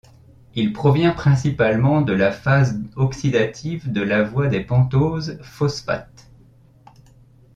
Il provient principalement de la phase oxydative de la voie des pentoses phosphates.